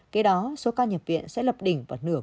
kế đó số ca nhập viện sẽ lập đỉnh vào nửa